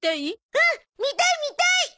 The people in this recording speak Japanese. うん見たい見たい！